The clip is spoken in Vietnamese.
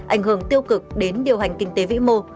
ảnh hưởng tiêu cực đến điều hành kinh tế vĩ mô